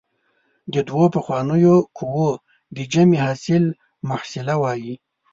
د دوو پخوانیو قوو د جمع حاصل محصله وايي.